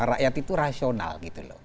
rakyat itu rasional gitu loh